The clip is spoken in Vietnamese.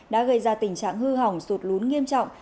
đã gây ra tình trạng hư hỏng sụt lún nghiêm trọng